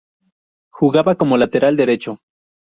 Jugaba como lateral derecho.